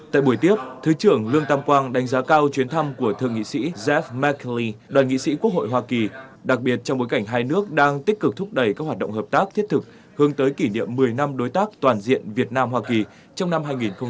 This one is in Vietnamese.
tại buổi tiếp thứ trưởng lương tam quang đánh giá cao chuyến thăm của thượng nghị sĩ jaff mark lee đoàn nghị sĩ quốc hội hoa kỳ đặc biệt trong bối cảnh hai nước đang tích cực thúc đẩy các hoạt động hợp tác thiết thực hướng tới kỷ niệm một mươi năm đối tác toàn diện việt nam hoa kỳ trong năm hai nghìn hai mươi